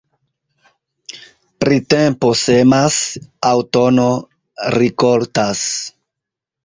Printempo semas, aŭtuno rikoltas.